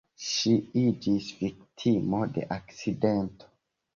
Ŝi iĝis viktimo de akcidento.